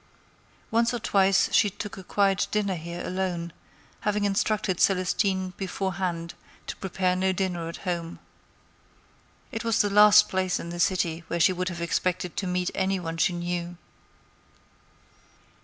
Once or twice she took a quiet dinner there alone, having instructed Celestine beforehand to prepare no dinner at home. It was the last place in the city where she would have expected to meet any one she knew.